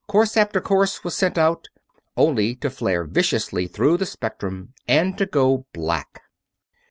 Course after course was sent out, only to flare viciously through the spectrum and to go black.